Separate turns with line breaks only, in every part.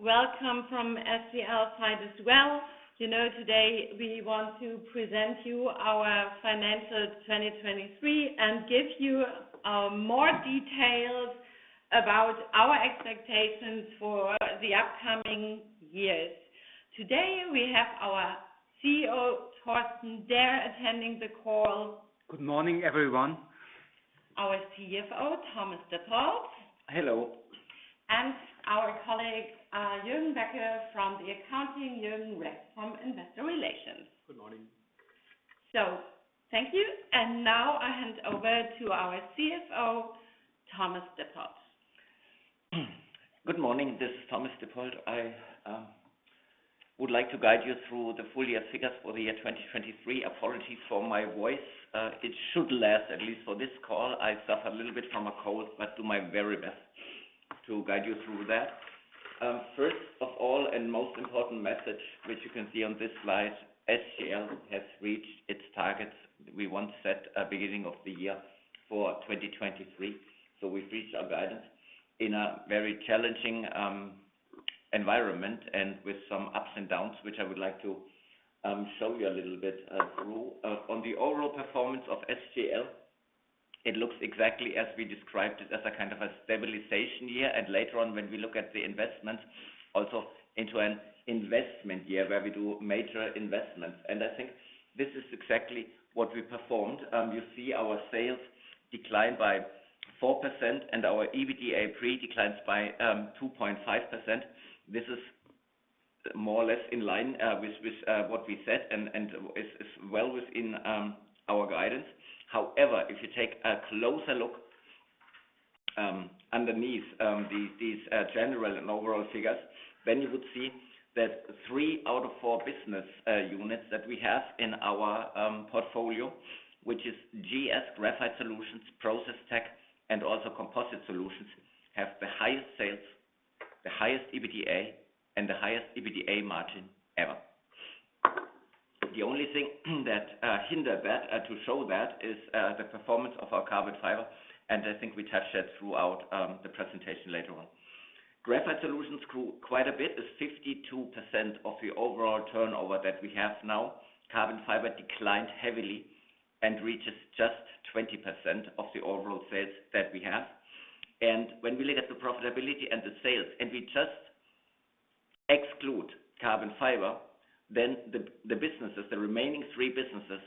Welcome from SGL side as well. You know today we want to present you our financial 2023 and give you more details about our expectations for the upcoming years. Today we have our CEO Torsten Derr attending the call.
Good morning everyone.
Our CFO Thomas Dippold.
Hello.
Our colleague Jürgen Becker from the accounting, Jürgen Reck from investor relations.
Good morning.
Thank you. Now I hand over to our CFO Thomas Dippold.
Good morning. This is Thomas Dippold. I would like to guide you through the full year figures for the year 2023. Apologies for my voice. It should last at least for this call. I suffer a little bit from a cold but do my very best to guide you through that. First of all and most important message which you can see on this slide SGL has reached its targets we once set beginning of the year for 2023. So we've reached our guidance in a very challenging environment and with some ups and downs which I would like to show you a little bit through. On the overall performance of SGL it looks exactly as we described it as a kind of a stabilization year and later on when we look at the investments also into an investment year where we do major investments. And I think this is exactly what we performed. You see our sales decline by 4% and our EBITDA pre declines by 2.5%. This is more or less in line with what we said and is well within our guidance. However, if you take a closer look underneath these general and overall figures then you would see that three out of four business units that we have in our portfolio which is GS Graphite Solutions Process Technology and also Composite Solutions have the highest sales the highest EBITDA and the highest EBITDA margin ever. The only thing that hinder that to show that is the performance of our carbon fiber and I think we touch that throughout the presentation later on. Graphite Solutions grew quite a bit is 52% of the overall turnover that we have now. Carbon fiber declined heavily and reaches just 20% of the overall sales that we have. When we look at the profitability and the sales and we just exclude carbon fiber then the businesses the remaining three businesses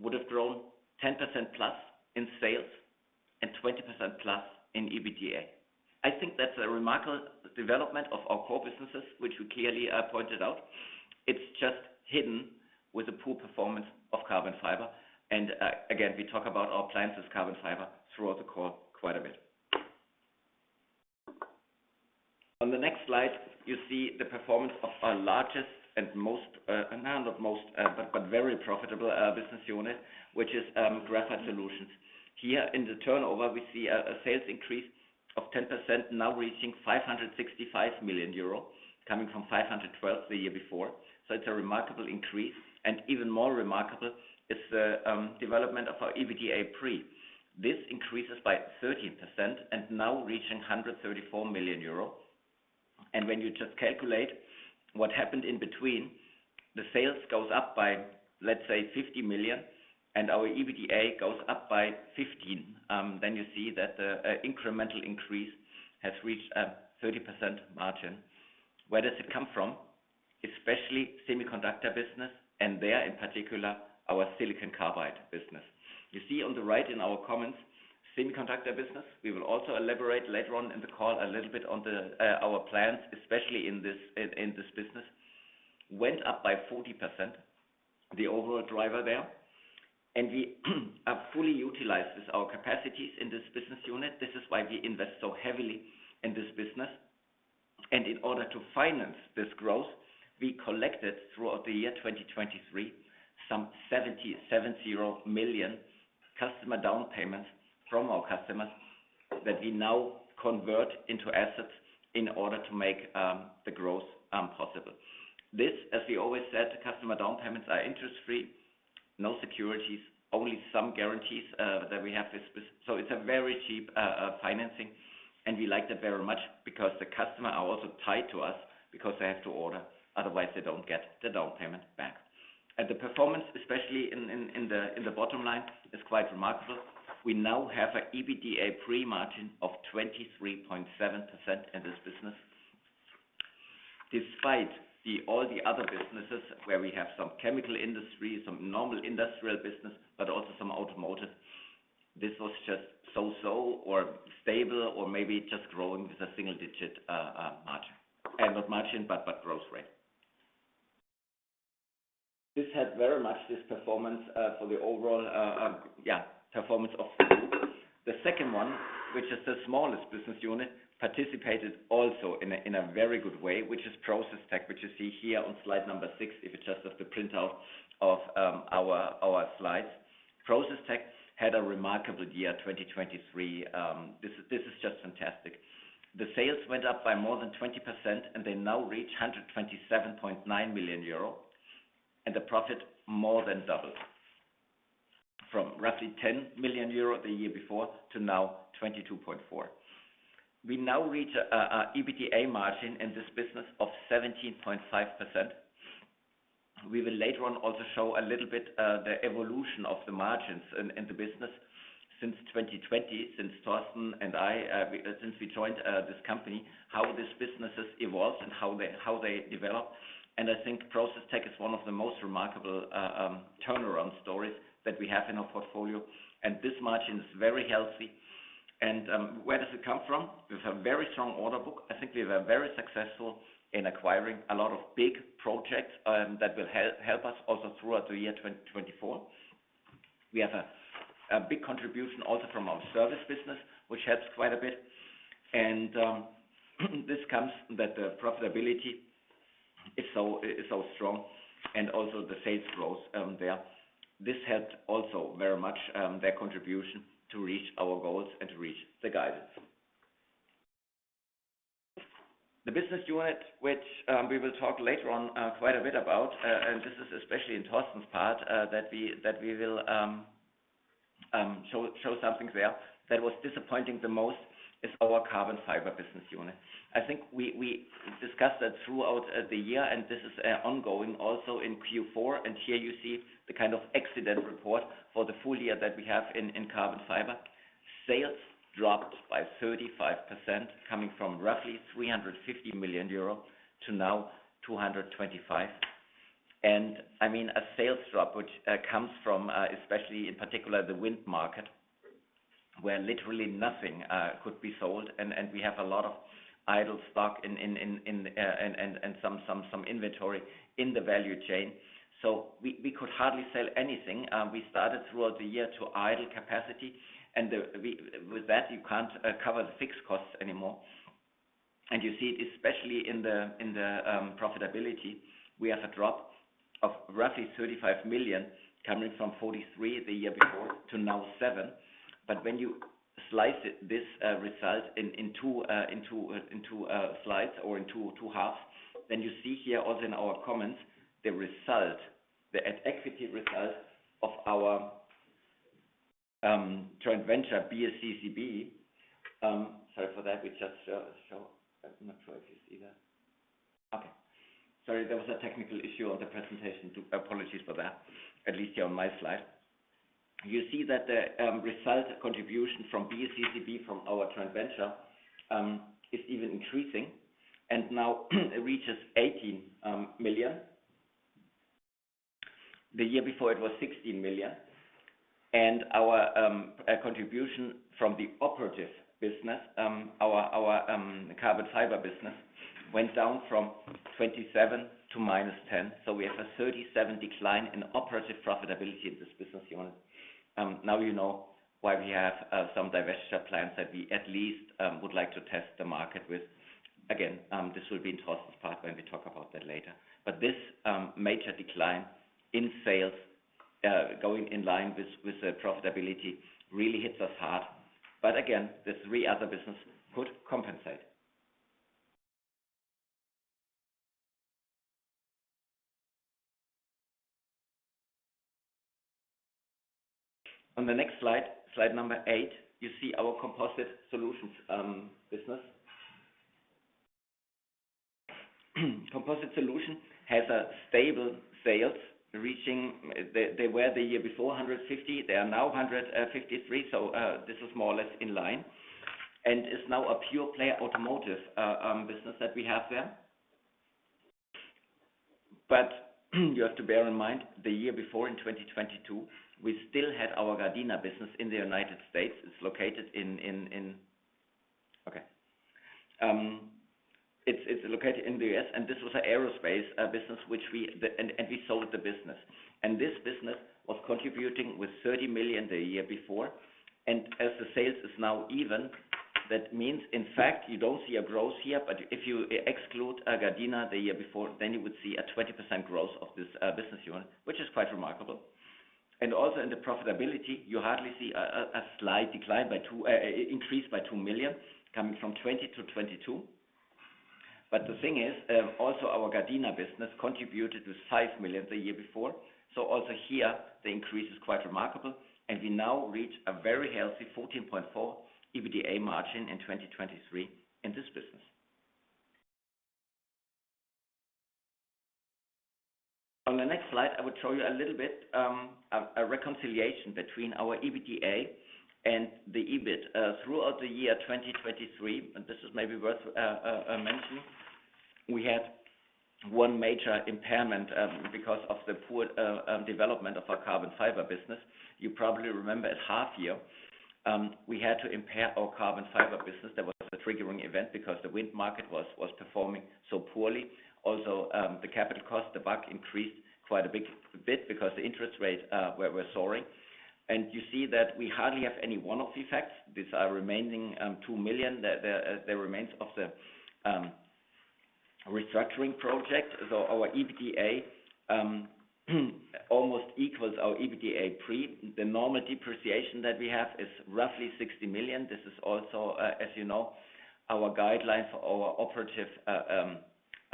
would have grown 10% plus in sales and 20% plus in EBITDA. I think that's a remarkable development of our core businesses which we clearly pointed out. It's just hidden with a poor performance of carbon fiber. And again, we talk about our applications carbon fiber throughout the call quite a bit. On the next slide you see the performance of our largest and most no not most but very profitable business unit which is Graphite Solutions. Here in the turnover, we see a sales increase of 10% now reaching 565 million euro coming from 512 million the year before. So it's a remarkable increase and even more remarkable is the development of our EBITDA pre. This increases by 13% and now reaching 134 million euro. And when you just calculate what happened in between the sales goes up by let's say 50 million and our EBITDA goes up by 15 million then you see that the incremental increase has reached a 30% margin. Where does it come from? Especially semiconductor business and there in particular our silicon carbide business. You see on the right in our comments semiconductor business we will also elaborate later on in the call a little bit on our plans especially in this business went up by 40% the overall driver there. And we fully utilize our capacities in this business unit. This is why we invest so heavily in this business. And in order to finance this growth we collected throughout the year 2023 some 77 million customer down payments from our customers that we now convert into assets in order to make the growth possible. This, as we always said, customer down payments are interest-free no securities only some guarantees that we have this bi so it's a very cheap financing and we like that very much because the customer are also tied to us because they have to order otherwise, they don't get the down payment back. And the performance especially in the bottom line is quite remarkable. We now have an EBITDA pre margin of 23.7% in this business despite all the other businesses where we have some chemical industry, some normal industrial business, but also some automotive. This was just so-so or stable or maybe just growing with a single digit margin—not margin, but growth rate. This had very much this performance for the overall, yeah, performance of the group. The second one, which is the smallest business unit, participated also in a very good way, which is Process Tech, which you see here on slide number six if you just have the printout of our slides. Process Tech had a remarkable year 2023. This is just fantastic. The sales went up by more than 20% and they now reach 127.9 million euro and the profit more than doubled from roughly 10 million euro the year before to now 22.4 million. We now reach a EBITDA margin in this business of 17.5%. We will later on also show a little bit the evolution of the margins in the business since 2020 since Torsten and I we since we joined this company how this businesses evolves and how they develop. And I think Process Tech is one of the most remarkable turnaround stories that we have in our portfolio and this margin is very healthy. And where does it come from? We have a very strong order book. I think we were very successful in acquiring a lot of big projects that will help us also throughout the year 2024. We have a big contribution also from our service business which helps quite a bit. This comes that the profitability is so strong and also the sales growth there. This had also very much their contribution to reach our goals and to reach the guidance. The business unit which we will talk later on quite a bit about, and this is especially in Torsten's part that we will show something there that was disappointing the most, is our carbon fiber business unit. I think we discussed that throughout the year, and this is ongoing also in fourth quarter and here you see the kind of accident report for the full year that we have in carbon fiber. Sales dropped by 35% coming from roughly 350 million euro to now 225 million. And I mean a sales drop which comes from especially in particular the wind market where literally nothing could be sold and we have a lot of idle stock in and some inventory in the value chain. So we could hardly sell anything. We started throughout the year to idle capacity and with that you can't cover the fixed costs anymore. And you see it especially in the profitability we have a drop of roughly 35 million coming from 43 million the year before to now 7 million. But when you slice it, this result in two, into slides or in two halves, then you see here also in our comments the result, the at equity result of our joint venture BSCCB. Sorry for that, we just show. I'm not sure if you see that. Okay. Sorry, there was a technical issue on the presentation. My apologies for that, at least here on my slide. You see that the result contribution from BSCCB from our joint venture is even increasing and now reaches 18 million. The year before it was 16 million. And our contribution from the operative business, our carbon fiber business, went down from 27 to minus 10 million. So, we have a 37 decline in operative profitability in this business unit. Now you know why we have some divestiture plans that we at least would like to test the market with. Again this will be in Torsten's part when we talk about that later. But this major decline in sales going in line with the profitability really hits us hard. But again the three other business could compensate. On the next slide number eight you see our Composite Solutions business. Composite Solutions has stable sales reaching; they were the year before 150; they are now 153, so this is more or less in line and is now a pure player automotive business that we have there. But you have to bear in mind the year before in 2022 we still had our Gardena business in the United States. It's located in the US, and this was an aerospace business which we sold. This business was contributing with 30 million the year before. As the sales is now even that means in fact you don't see a growth here but if you exclude Gardena the year before then you would see a 20% growth of this business unit which is quite remarkable. Also, in the profitability you hardly see a slight decline by two increase by two million coming from 20 to 22. But the thing is also our Gardena business contributed with 5 million the year before. So also, here the increase is quite remarkable, and we now reach a very healthy 14.4% EBITDA margin in 2023 in this business. On the next slide I would show you a little bit reconciliation between our EBITDA and the EBIT throughout the year 2023. This is maybe worth mentioning. We had one major impairment because of the poor development of our carbon fiber business. You probably remember at half year we had to impair our carbon fiber business. There was a triggering event because the wind market was performing so poorly. Also the capital cost WACC increased quite a big bit because the interest rate were soaring. And you see that we hardly have any one-off effects. This are remaining 2 million that remains of the restructuring project. So our EBITDA almost equals our EBITDA pre. The normal depreciation that we have is roughly 60 million. This is also as you know our guideline for our operative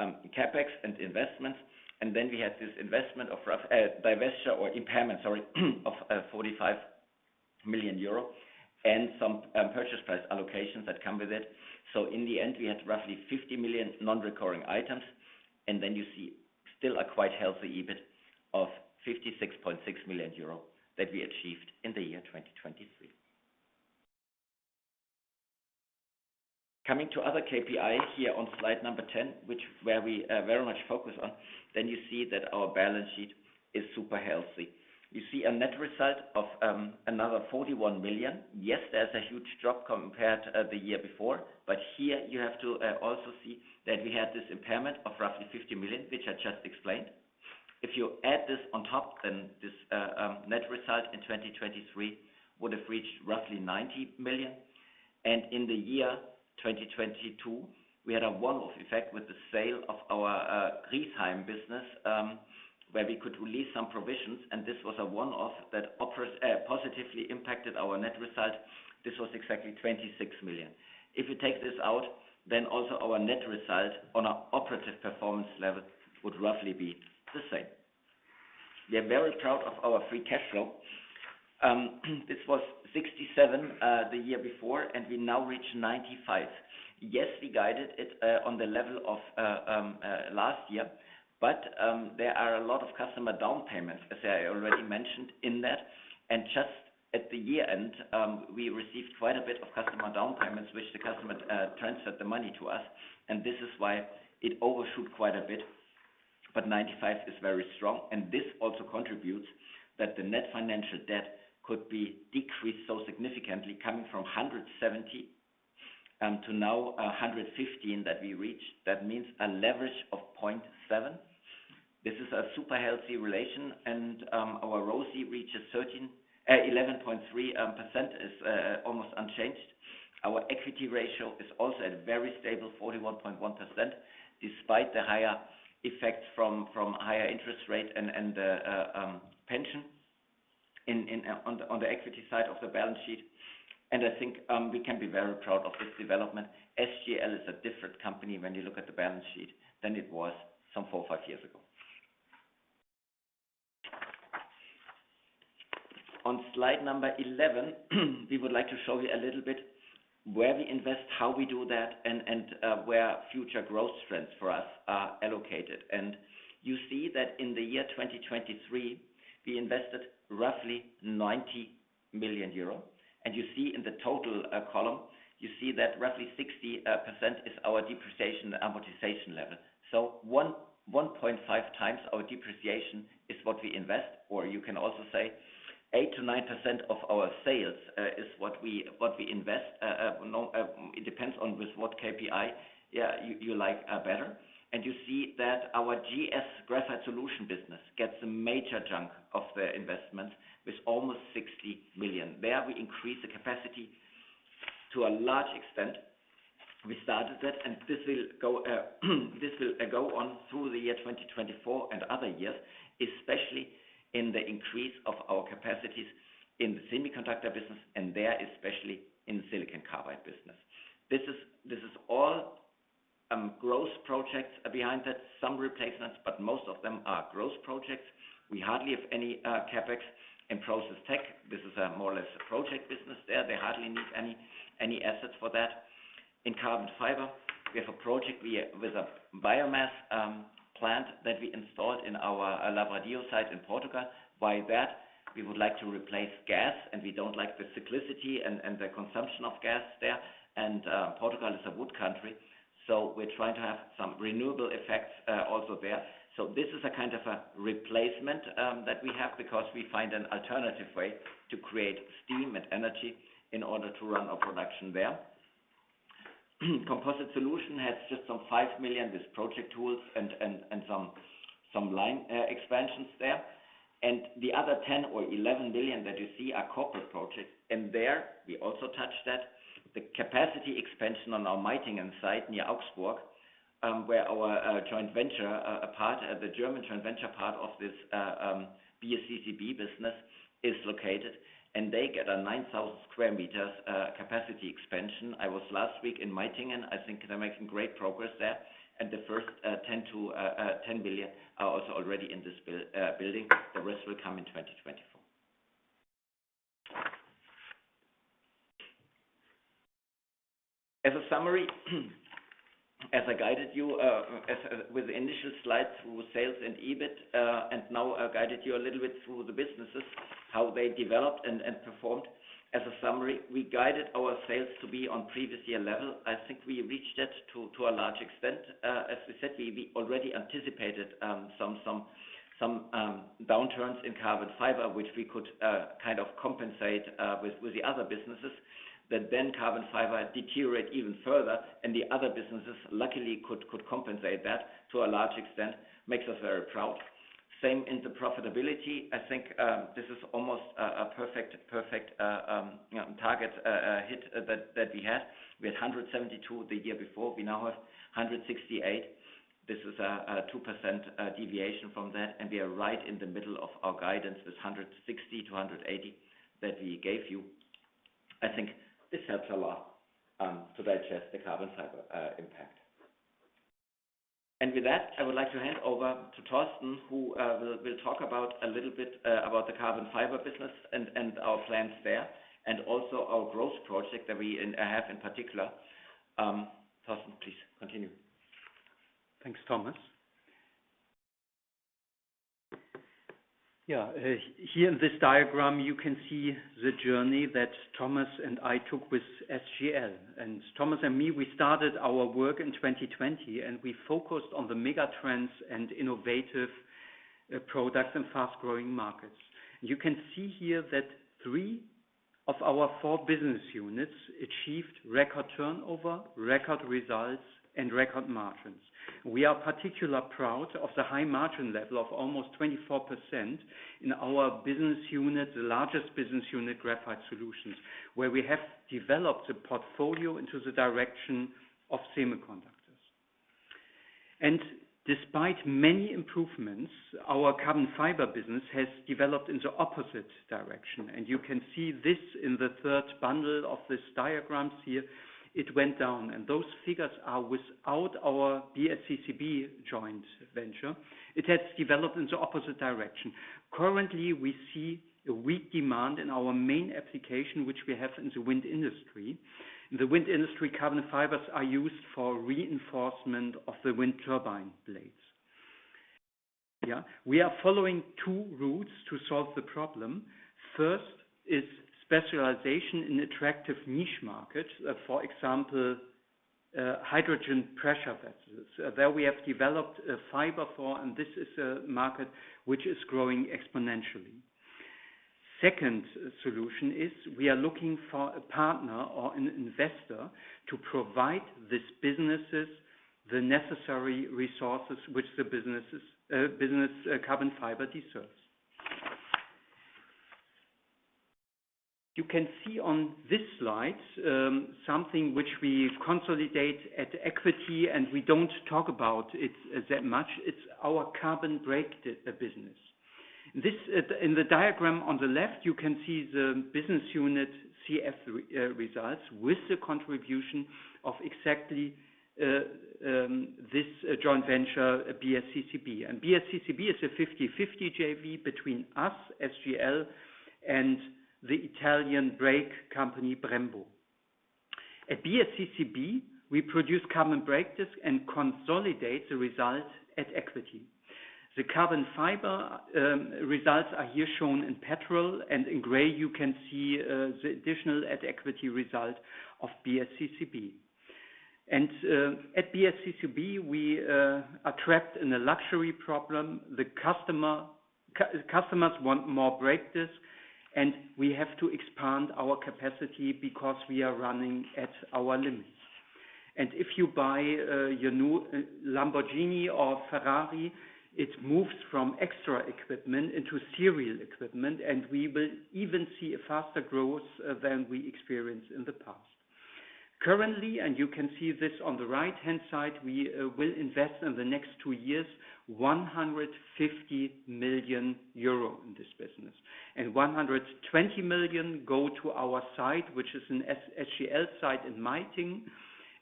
CapEx and investments. And then we had this investment of rough divestiture or impairment sorry of 45 million euro and some purchase price allocations that come with it. So in the end we had roughly 50 million non-recurring items and then you see still a quite healthy EBIT of 56.6 million euro that we achieved in the year 2023. Coming to other KPIs here on slide number 10 which we very much focus on then you see that our balance sheet is super healthy. You see a net result of another 41 million. Yes, there's a huge drop compared to the year before but here you have to also see that we had this impairment of roughly 50 million which I just explained. If you add this on top, then this net result in 2023 would have reached roughly 90 million. In 2022 we had a one-off effect with the sale of our Griesheim business where we could release some provisions and this was a one-off that operate positively impacted our net result. This was exactly 26 million. If you take this out then also our net result on a operative performance level would roughly be the same. We are very proud of our free cash flow. This was 67 the year before and we now reach 95. Yes, we guided it on the level of last year but there are a lot of customer down payments as I already mentioned in that. And just at the year-end we received quite a bit of customer down payments which the customer transferred the money to us, and this is why it overshoot quite a bit. 95 is very strong, and this also contributes that the net financial debt could be decreased so significantly coming from 170 million to now 115 million that we reach. That means a leverage of 0.7. This is a super healthy relation, and our ROCE reaches 13% to 11.3% is almost unchanged. Our equity ratio is also at very stable 41.1% despite the higher effects from higher interest rate and the pension on the equity side of the balance sheet. And I think we can be very proud of this development. SGL is a different company when you look at the balance sheet than it was some four or five years ago. On slide number 11 we would like to show you a little bit where we invest how we do that and where future growth trends for us are allocated. You see that in the year 2023 we invested roughly 90 million euro and you see in the total column you see that roughly 60% is our depreciation amortization level. So 1.5 times our depreciation is what we invest, or you can also say 8% to 9% of our sales is what we invest no it depends on with what KPI yeah you like better. You see that our GS Graphite Solutions business gets a major chunk of the investments with almost 60 million. There we increase the capacity to a large extent. We started that and this will go on through the year 2024 and other years especially in the increase of our capacities in the semiconductor business and there especially in the silicon carbide business. This is all growth projects behind that some replacements but most of them are growth projects. We hardly have any CAPEX in Process Tech. This is more or less a project business there. They hardly need any assets for that. In carbon fiber we have a project with a biomass plant that we installed in our Lavradio site in Portugal. Why that? We would like to replace gas and we don't like the cyclicity and the consumption of gas there. And Portugal is a wood country so we're trying to have some renewable effects also there. So this is a kind of a replacement that we have because we find an alternative way to create steam and energy in order to run our production there. Composite Solutions has just some 5 million with project tools and some line expansions there. And the other 10 million or 11 million that you see are corporate projects and there we also touched that. The capacity expansion on our Meitingen site near Augsburg where our joint venture, the German joint venture part, of this BSCCB business is located and they get a 9,000 square meters capacity expansion. I was last week in Meitingen and I think they're making great progress there. And the first 10 to 10 million are also already in this building. The rest will come in 2024. As a summary, as I guided you as with the initial slide through sales and EBIT and now I guided you a little bit through the businesses how they developed and performed. As a summary, we guided our sales to be on previous year level. I think we reached that to a large extent. As we said, we already anticipated some downturns in carbon fiber which we could kind of compensate with the other businesses. That then carbon fiber deteriorate even further and the other businesses luckily could compensate that to a large extent makes us very proud. Same in the profitability. I think this is almost a perfect target hit that we had. We had 172 the year before we now have 168. This is a 2% deviation from that, and we are right in the middle of our guidance with 160 to 180 that we gave you. I think this helps a lot to digest the carbon fiber impact. With that, I would like to hand over to Torsten who will talk a little bit about the carbon fiber business and our plans there and also our growth project that we have in particular. Torsten, please continue.
Thanks Thomas. Yeah here in this diagram you can see the journey that Thomas and I took with SGL. And Thomas and me we started our work in 2020 and we focused on the mega trends and innovative products in fast-growing markets. You can see here that three of our four business units achieved record turnover record results and record margins. We are particularly proud of the high margin level of almost 24% in our business unit the largest business unit Graphite Solutions where we have developed a portfolio into the direction of semiconductors. And despite many improvements our carbon fiber business has developed in the opposite direction and you can see this in the third bundle of this diagrams here it went down and those figures are without our BSCCB joint venture. It has developed in the opposite direction. Currently we see a weak demand in our main application which we have in the wind industry. In the wind industry carbon fibers are used for reinforcement of the wind turbine blades. Yeah we are following two routes to solve the problem. First is specialization in attractive niche markets for example hydrogen pressure vessels. There we have developed a fiber for and this is a market which is growing exponentially. Second solution is we are looking for a partner or an investor to provide this businesses the necessary resources which the businesses business carbon fiber deserves. You can see on this slide something which we consolidate at equity, and we don't talk about it that much. It's our carbon brake business. This in the diagram on the left you can see the business unit CF results with the contribution of exactly this joint venture BSCCB. BSCCB is a 50/50 JV between us SGL and the Italian brake company Brembo. At BSCCB we produce carbon brake discs and consolidate the result at equity. The carbon fiber results are here shown in purple and in gray you can see the additional at equity result of BSCCB. At BSCCB we are trapped in a luxury problem. The customers want more brake discs and we have to expand our capacity because we are running at our limits. If you buy your new Lamborghini or Ferrari it moves from extra equipment into serial equipment and we will even see a faster growth than we experienced in the past. Currently, and you can see this on the right-hand side, we will invest in the next two years 150 million euro in this business. 120 million go to our site which is an SGL site in Meitingen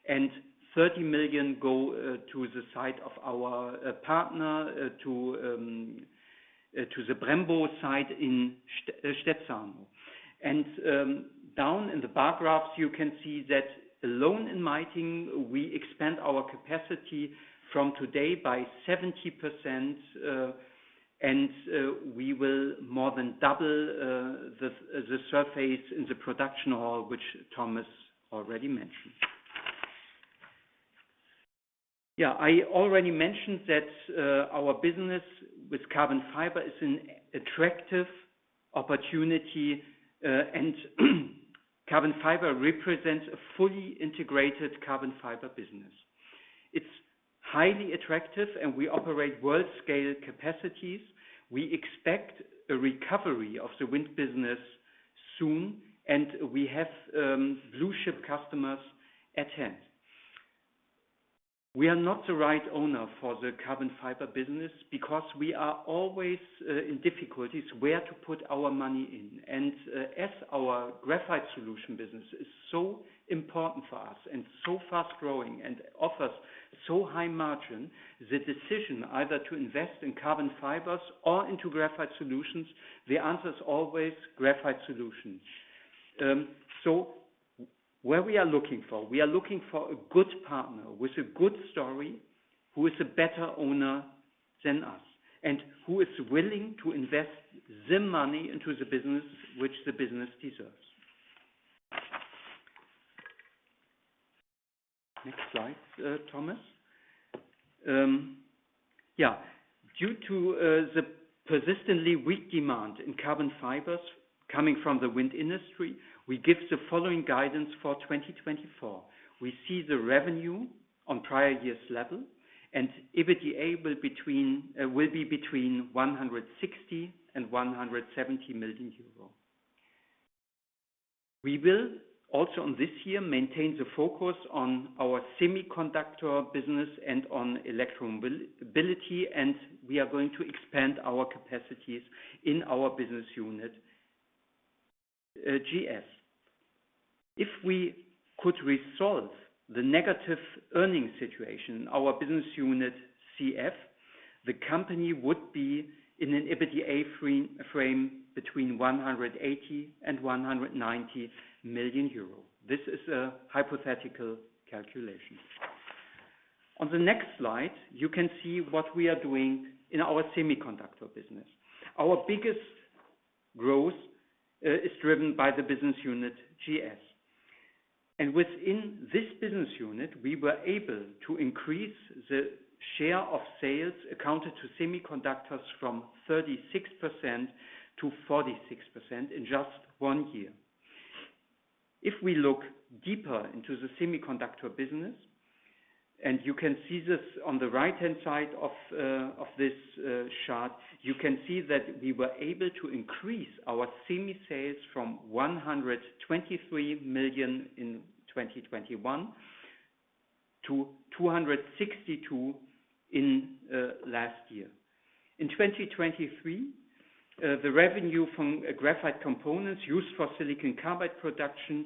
and 30 million go to the site of our partner to the Brembo site in Stezzano. Down in the bar graphs you can see that alone in Meitingen we expand our capacity from today by 70% and we will more than double the surface in the production hall which Thomas already mentioned. Yeah, I already mentioned that our business with carbon fiber is an attractive opportunity and carbon fiber represents a fully integrated carbon fiber business. It's highly attractive and we operate world-scale capacities. We expect a recovery of the wind business soon and we have blue-chip customers at hand. We are not the right owner for the carbon fiber business because we are always in difficulties where to put our money in. As our Graphite Solutions business is so important for us and so fast-growing and offers so high margin, the decision either to invest in carbon fibers or into Graphite Solutions, the answer is always Graphite Solutions. So we are looking for a good partner with a good story who is a better owner than us and who is willing to invest the money into the business which the business deserves. Next slide, Thomas. Yeah, due to the persistently weak demand in carbon fibers coming from the wind industry, we give the following guidance for 2024. We see the revenue on prior year's level and EBITDA will be between 160 million and 170 million euros. We will also on this year maintain the focus on our semiconductor business and on electromobility and we are going to expand our capacities in our business unit GS. If we could resolve the negative earning situation in our business unit CF the company would be in an EBITDA frame between 180 million and 190 million euros. This is a hypothetical calculation. On the next slide you can see what we are doing in our semiconductor business. Our biggest growth is driven by the business unit GS. And within this business unit we were able to increase the share of sales accounted to semiconductors from 36% to 46% in just one year. If we look deeper into the semiconductor business, and you can see this on the right-hand side of this chart, you can see that we were able to increase our semi-sales from 123 million in 2021 to 262 million in last year. In 2023 the revenue from graphite components used for silicon carbide production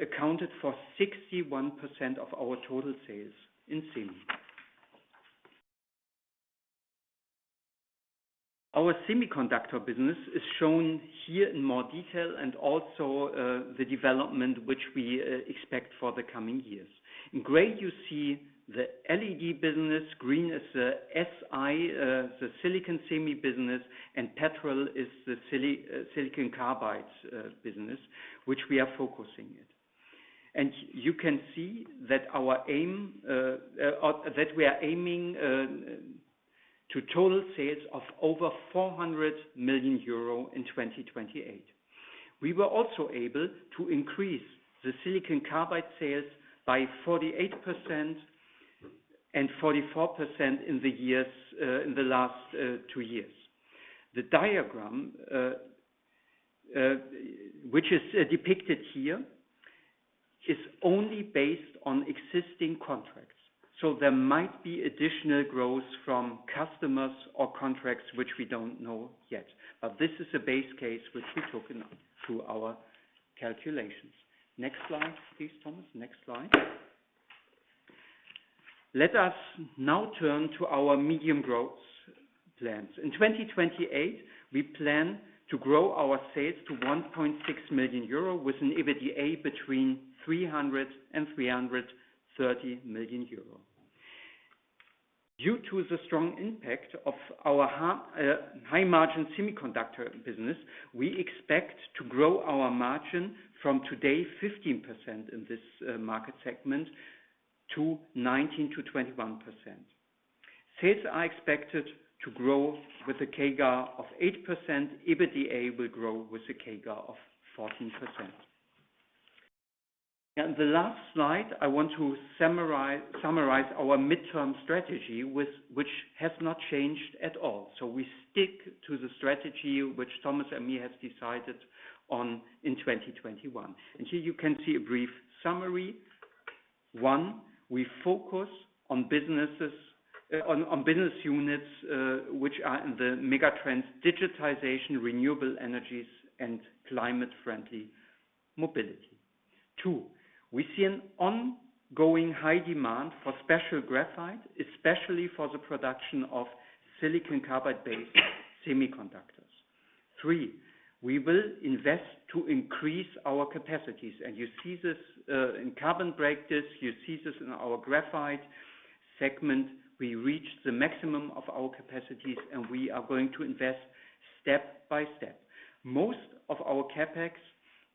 accounted for 61% of our total sales in semi. Our semiconductor business is shown here in more detail and also the development which we expect for the coming years. In gray you see the LED business green is the SI the silicon semi business and purple is the silicon carbide business which we are focusing at. And you can see that our aim or that we are aiming to total sales of over 400 million euro in 2028. We were also able to increase the silicon carbide sales by 48% and 44% in the years in the last two years. The diagram which is depicted here is only based on existing contracts. So there might be additional growth from customers or contracts which we don't know yet. But this is a base case which we took in through our calculations. Next slide please Thomas. Next slide. Let us now turn to our medium growth plans. In 2028 we plan to grow our sales to 1.6 million euro with an EBITDA between 300 million euro and 330 million euro. Due to the strong impact of our high margin semiconductor business, we expect to grow our margin from today 15% in this market segment to 19% to 21%. Sales are expected to grow with a CAGR of 8%. EBITDA will grow with a CAGR of 14%. Yeah, the last slide I want to summarize summarize our mid-term strategy with which has not changed at all. So, we stick to the strategy which Thomas and me have decided on in 2021. And here you can see a brief summary. One, we focus on businesses on business units which are in the mega trends digitization, renewable energies, and climate-friendly mobility. Two, we see an ongoing high demand for special graphite especially for the production of silicon carbide-based semiconductors. Three, we will invest to increase our capacities, and you see this in carbon brake disc. You see this in our graphite segment. We reached the maximum of our capacities, and we are going to invest step by step. Most of our CapEx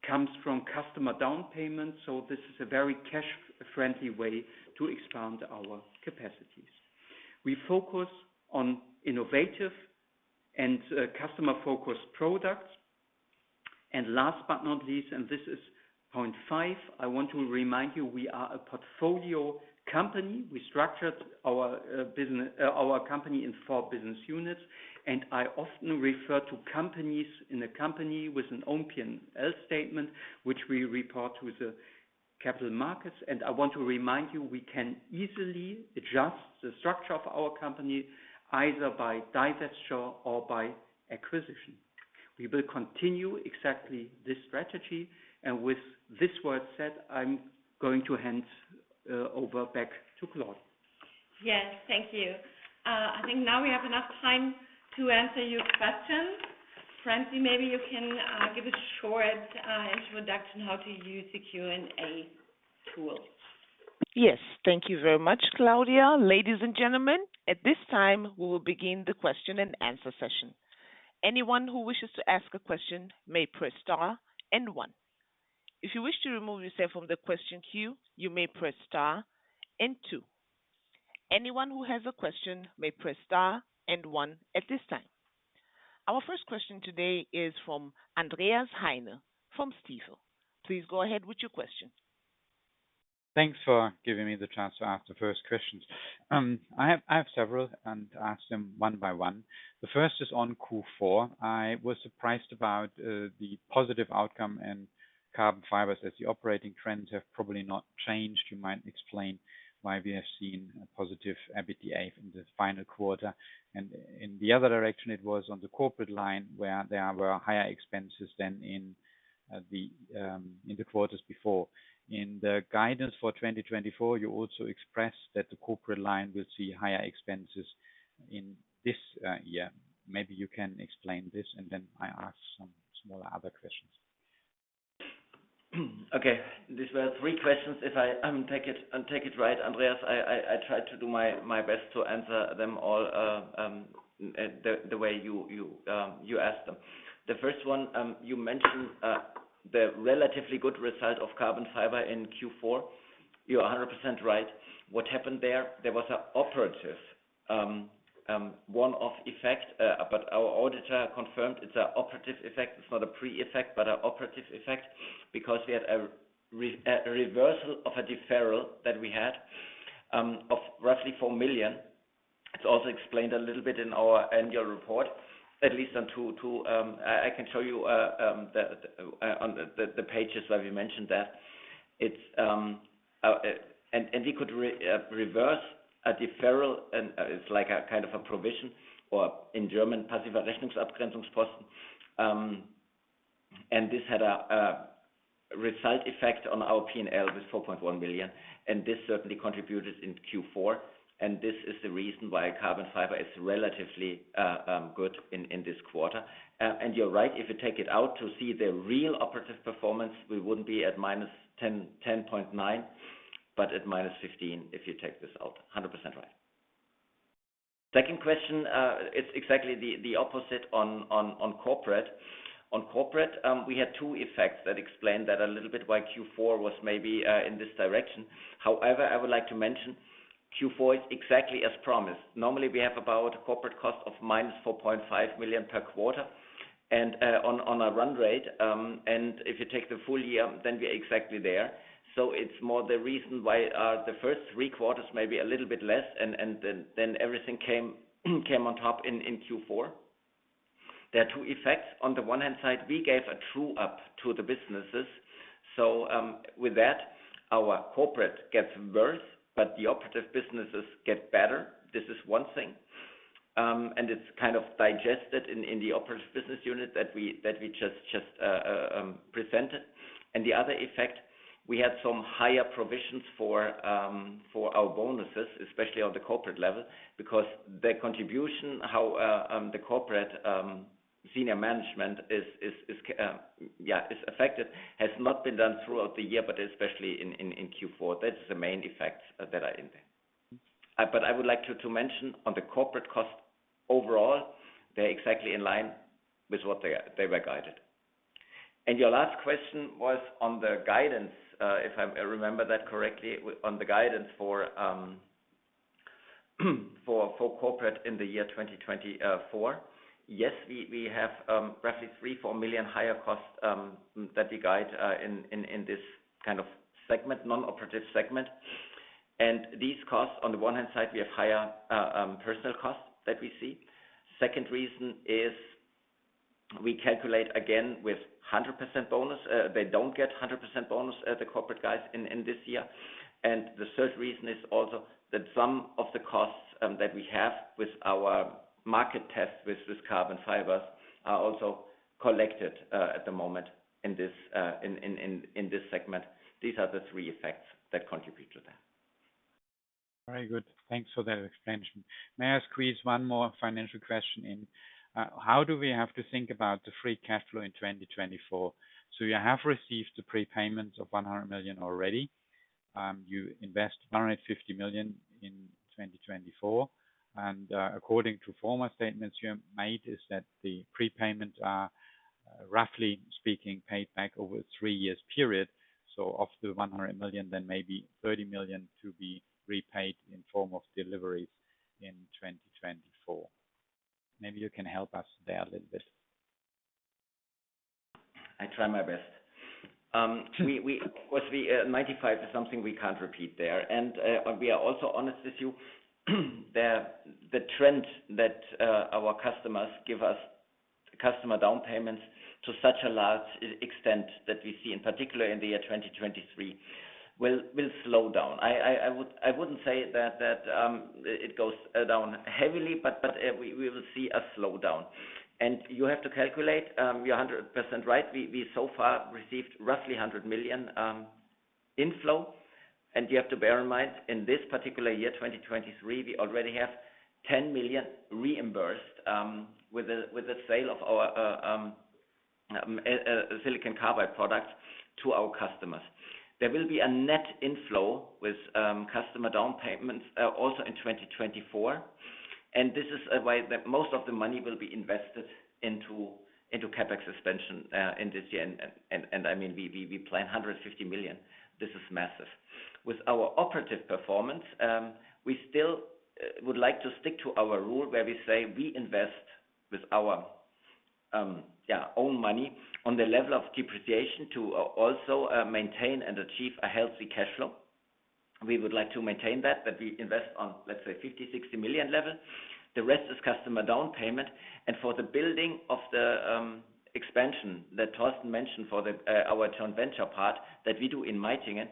comes from customer down payments, so this is a very cash-friendly way to expand our capacities. We focus on innovative and customer-focused products. Last but not least, and this is point 5, I want to remind you we are a portfolio company. We structured our business, our company, in four business units, and I often refer to companies in a company with a one P&L statement, which we report to the capital markets, and I want to remind you we can easily adjust the structure of our company either by divestiture or by acquisition. We will continue exactly this strategy, and with this word said, I'm going to hand over back to Claudia.
Yes, thank you. I think now we have enough time to answer your questions. Francie, maybe you can give a short introduction how to use the Q&A tool.
Yes, thank you very much, Claudia. Ladies and gentlemen, at this time we will begin the question and answer session. Anyone who wishes to ask a question may press star and one. If you wish to remove yourself from the question queue, you may press star and two. Anyone who has a question may press star and one at this time. Our first question today is from Andreas Heine from Stifel. Please go ahead with your question.
Thanks for giving me the chance to ask the first questions. I have several and ask them one by one. The first is on fourth quarter. I was surprised about the positive outcome and carbon fibers as the operating trends have probably not changed you might explain why we have seen a positive EBITDA in the final quarter and in the other direction it was on the corporate line where there were higher expenses than in the quarters before. In the guidance for 2024 you also expressed that the corporate line will see higher expenses in this year. Maybe you can explain this and then I ask some smaller other questions.
Okay, these were three questions. If I take it right, Andreas, I tried to do my best to answer them all the way you asked them. The first one you mentioned, the relatively good result of carbon fiber in fourth quarter. You're 100% right. What happened there? There was an operative one-off effect, but our auditor confirmed it's an operative effect. It's not a pre-effect but an operative effect because we had a reversal of a deferral that we had of roughly 4 million. It's also explained a little bit in our annual report, at least on 22. I can show you the pages where we mentioned that. It's, and we could reverse a deferral, and it's like a kind of a provision or, in German, Passive Rechnungsabgrenzungsposten. This had a result effect on our P&L with 4.1 million and this certainly contributed in fourth quarter and this is the reason why carbon fiber is relatively good in this quarter. And you're right if you take it out to see the real operating performance we wouldn't be at -10.9 but at -15 if you take this out. 100% right. Second question it's exactly the opposite on corporate. On corporate we had two effects that explained that a little bit why fourth quarter was maybe in this direction. However, I would like to mention fourth quarter is exactly as promised. Normally we have about a corporate cost of minus 4.5 million per quarter and on a run rate and if you take the full year then we're exactly there. So it's more the reason why the first three quarters maybe a little bit less and then everything came on top in fourth quarter. There are two effects. On the one hand side we gave a true up to the businesses so with that our corporate gets worse but the operative businesses get better. This is one thing. And it's kind of digested in the operative business unit that we just presented. And the other effect we had some higher provisions for our bonuses especially on the corporate level because their contribution how the corporate senior management is yeah affected has not been done throughout the year but especially in fourth quarter. That is the main effects that are in there. But I would like to mention on the corporate costs overall. They're exactly in line with what they were guided. And your last question was on the guidance, if I remember that correctly, on the guidance for corporate in the year 2024. Yes, we have roughly 3 to 4 million higher costs that we guide in this kind of segment, non-operating segment. And these costs, on the one hand side, we have higher personnel costs that we see. Second reason is we calculate again with 100% bonus they don't get 100% bonus the corporate guys in this year. And the third reason is also that some of the costs that we have with our market tests with carbon fibers are also collected at the moment in this segment. These are the three effects that contribute to that.
Very good, thanks for that explanation. May I squeeze one more financial question in? How do we have to think about the free cash flow in 2024? So you have received the pre-payments of 100 million already. You invest 150 million in 2024 and according to former statements you have made is that the pre-payments are roughly speaking paid back over a 3-year period. So of the 100 million then maybe 30 million to be repaid in form of deliveries in 2024. Maybe you can help us there a little bit.
I try my best. We, of course, 95 is something we can't repeat there, and we are also honest with you there. The trend that our customers give us customer down payments to such a large extent that we see in particular in the year 2023 will slow down. I would, I wouldn't say that it goes down heavily, but we will see a slowdown. You have to calculate. You're 100% right. We so far received roughly 100 million inflow, and you have to bear in mind in this particular year 2023 we already have 10 million reimbursed with a sale of our silicon carbide products to our customers. There will be a net inflow with customer down payments also in 2024 and this is why that most of the money will be invested into CapEx expansion in this year and I mean we plan 150 million. This is massive. With our operating performance we still would like to stick to our rule where we say we invest with our own money on the level of depreciation to also maintain and achieve a healthy cash flow. We would like to maintain that but we invest on let's say 50 to 60 million level. The rest is customer down payment and for the building of the expansion that Torsten mentioned for our joint venture part that we do in Meitingen.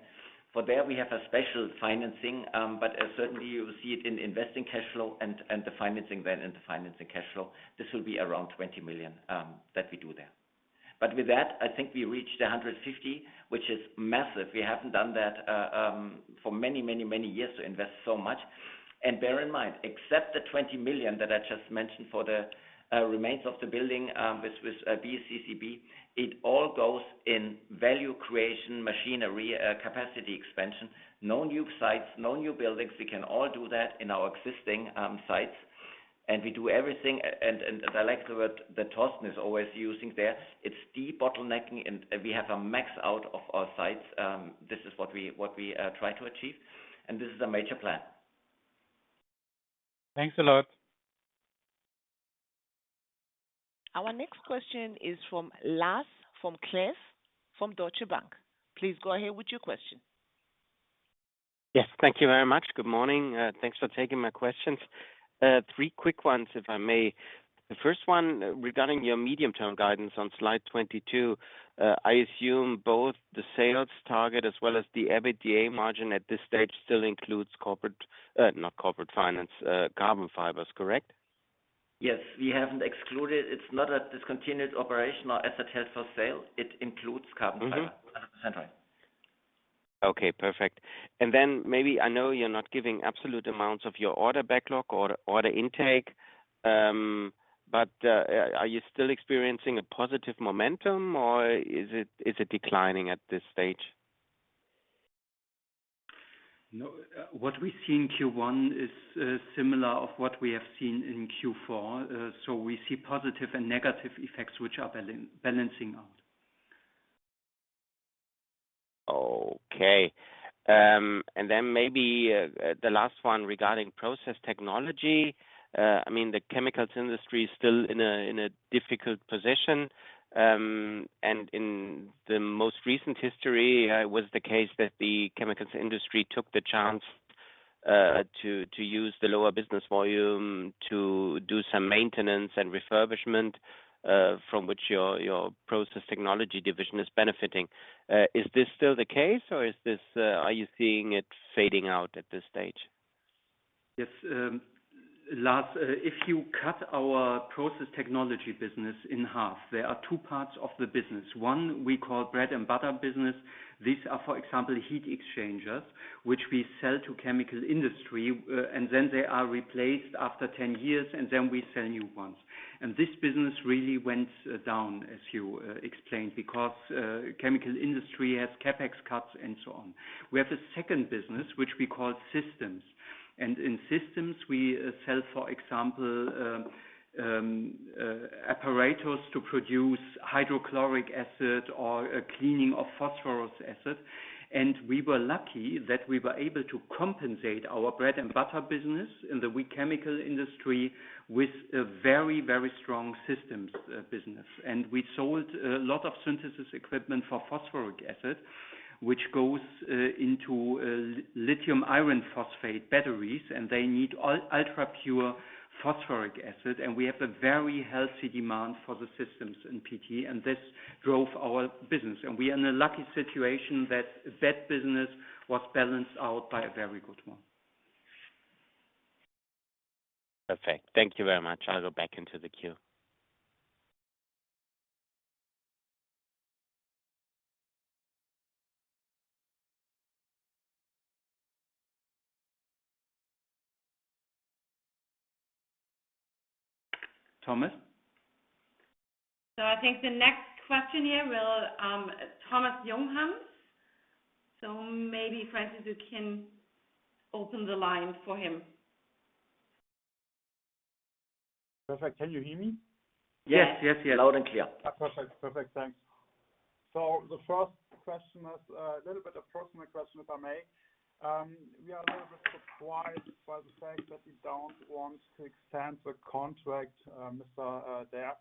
For there we have a special financing, but certainly you see it in investing cash flow and the financing then in the financing cash flow. This will be around 20 million that we do there. But with that I think we reached 150 million which is massive. We haven't done that for many many many years to invest so much. And bear in mind except the 20 million that I just mentioned for the remains of the building with BSCCB it all goes in value creation machinery capacity expansion. No new sites, no new buildings. We can all do that in our existing sites, and we do everything, and I like the word that Torsten is always using there. It's de-bottlenecking, and we have a max out of our sites. This is what we try to achieve, and this is a major plan.
Thanks a lot.
Our next question is from Lars Vom Cleff from Deutsche Bank. Please go ahead with your question.
Yes, thank you very much. Good morning, thanks for taking my questions. Three quick ones, if I may. The first one regarding your medium-term guidance on slide 22. I assume both the sales target as well as the EBITDA margin at this stage still includes corporate not corporate finance carbon fibers, correct?
Yes, we haven't excluded it. It's not a discontinued operation or asset held for sale. It includes carbon fiber. 100% right.
Okay, perfect. And then, maybe I know you're not giving absolute amounts of your order backlog or order intake, but are you still experiencing a positive momentum or is it declining at this stage?
No, what we see in first quarter is similar to what we have seen in fourth quarter, so we see positive and negative effects which are balancing out.
Okay, and then maybe the last one regarding process technology. I mean, the chemicals industry is still in a difficult position, and in the most recent history it was the case that the chemicals industry took the chance to use the lower business volume to do some maintenance and refurbishment, from which your process technology division is benefiting. Is this still the case, or are you seeing it fading out at this stage?
Yes, Lars, if you cut our Process Technology business in half, there are two parts of the business. One we call bread and butter business. These are, for example, heat exchangers which we sell to chemical industry and then they are replaced after 10 years and then we sell new ones. This business really went down as you explained because chemical industry has CapEx cuts and so on. We have a second business which we call systems and in systems we sell for example apparatus to produce hydrochloric acid or cleaning of phosphoric acid and we were lucky that we were able to compensate our bread and butter business in the wet chemical industry with a very very strong systems business. And we sold a lot of synthesis equipment for phosphoric acid which goes into lithium iron phosphate batteries and they need all ultra-pure phosphoric acid and we have a very healthy demand for the systems in PT and this drove our business and we're in a lucky situation that that business was balanced out by a very good one.
Perfect, thank you very much. I'll go back into the queue.
Thomas?
So, I think the next question here will Thomas Junghans, so maybe Francis, you can open the line for him.
Perfect, can you hear me?
Yes, yes, yes, loud and clear.
Perfect, perfect. Thanks. So, the first question is a little bit a personal question, if I may. We are a little bit surprised by the fact that we don't want to extend the contract, Mr. Derr.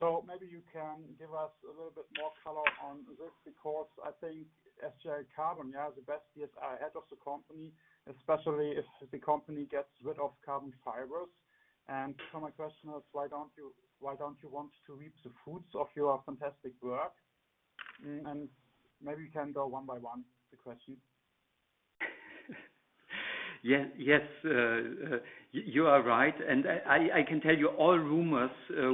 So maybe you can give us a little bit more color on this because I think SGL Carbon, yeah, is the best CEO head of the company, especially if the company gets rid of carbon fibers. And so, my second question is, why don't you, why don't you want to reap the fruits of your fantastic work? And maybe we can go one by one the questions.
Yeah, yes, you are right, and I can tell you all rumors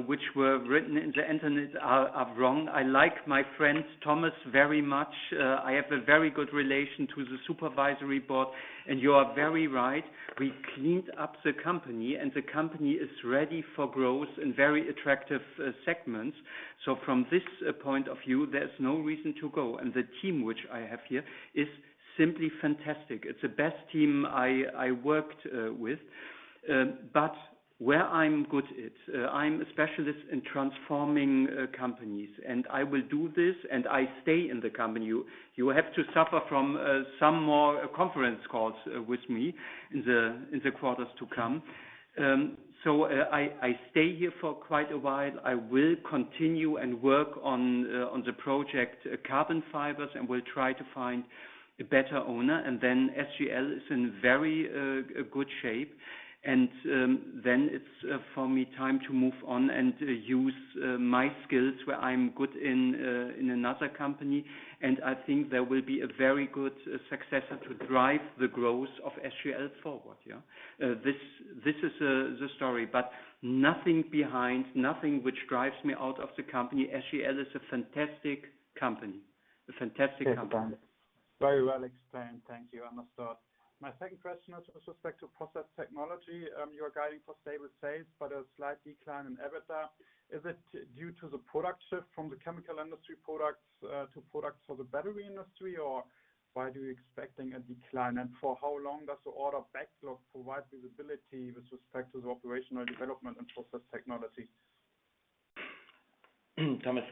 which were written in the internet are wrong. I like my friend Thomas very much. I have a very good relation to the supervisory board, and you are very right. We cleaned up the company, and the company is ready for growth in very attractive segments, so from this point of view, there's no reason to go, and the team which I have here is simply fantastic. It's the best team I worked with, but where I'm good at, I'm a specialist in transforming companies, and I will do this, and I stay in the company.
You have to suffer from some more conference calls with me in the quarters to come. So, I stay here for quite a while. I will continue and work on the project carbon fibers and will try to find a better owner, and then SGL is in very good shape, and then it's for me time to move on and use my skills where I'm good in another company, and I think there will be a very good successor to drive the growth of SGL forward, yeah. This is the story, but nothing behind, nothing which drives me out of the company. SGL is a fantastic company, a fantastic company.
Very well explained, thank you. I must start. My second question is with respect to process technology. You are guiding for stable sales but a slight decline in EBITDA. Is it due to the product shift from the chemical industry products to products for the battery industry or why do you expecting a decline and for how long does the order backlog provide visibility with respect to the operational development and process technology?
Thomas,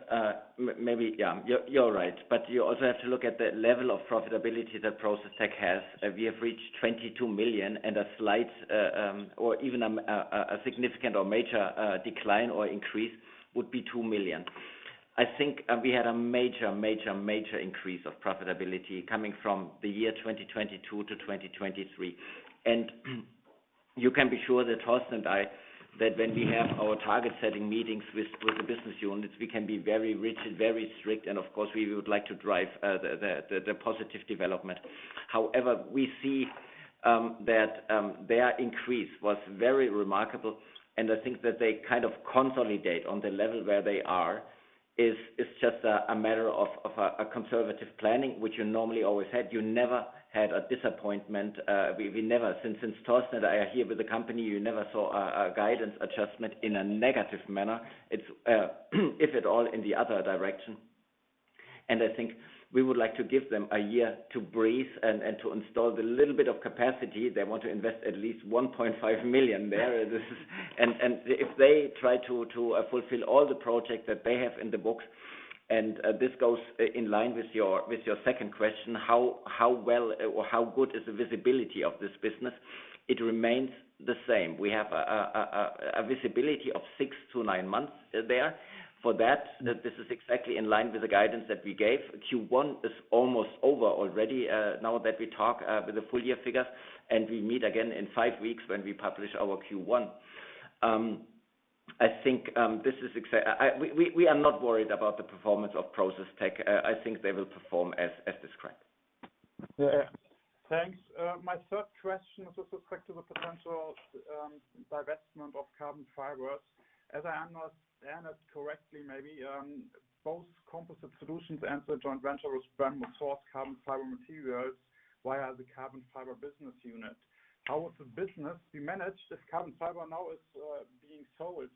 maybe yeah, you're right, but you also have to look at the level of profitability that process tech has. We have reached 22 million, and a slight or even a significant or major decline or increase would be 2 million. I think we had a major increase of profitability coming from the year 2022 to 2023, and you can be sure that Torsten and I, that when we have our target setting meetings with the business units, we can be very rigid, very strict, and of course we would like to drive the positive development. However, we see that their increase was very remarkable, and I think that they kind of consolidate on the level where they are is just a matter of a conservative planning which you normally always had. You never had a disappointment. We never, since Torsten and I are here with the company, you never saw a guidance adjustment in a negative manner. It's, if at all, in the other direction, and I think we would like to give them a year to breathe and to install the little bit of capacity they want to invest, at least 1.5 million there. This is, and if they try to fulfill all the project that they have in the books, and this goes in line with your second question, how well or how good is the visibility of this business? It remains the same. We have a visibility of 6-9 months there. For that, this is exactly in line with the guidance that we gave. first quarter is almost over already now that we talk with the full-year figures and we meet again in five weeks when we publish our first quarter. I think this is exactly why we are not worried about the performance of process tech. I think they will perform as described.
Yeah, yeah, thanks. My third question is with respect to the potential divestment of carbon fibers. As I understand it correctly, maybe both Composite Solutions and the joint venture with Brembo source carbon fiber materials via the carbon fiber business unit. How would the business be managed if carbon fiber now is being sold?